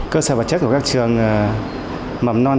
cơ sở vật chất của các trường mầm non